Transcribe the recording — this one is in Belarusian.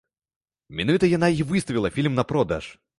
Менавіта яна і выставіла фільм на продаж.